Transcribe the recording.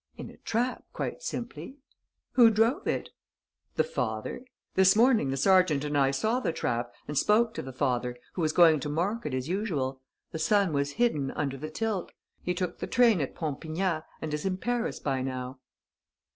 "In a trap, quite simply." "Who drove it?" "The father. This morning the sergeant and I saw the trap and spoke to the father, who was going to market as usual. The son was hidden under the tilt. He took the train at Pompignat and is in Paris by now."